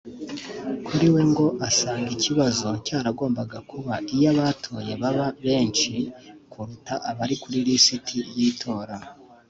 Kuri we ngo asanga ikibazo cyaragombaga kuba iyo abatoye baba benshi kuruta abari kuri lisiti y’itora